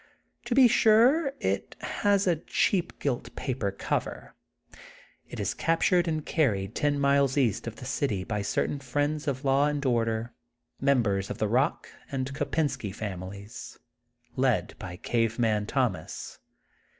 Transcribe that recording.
To be sure it has a cheap gilt paper cover. It is captured and carried ten miles east of the city by certain friends of law and order, members of the Bock and Ko pensky families, led by Cave Man Thomas.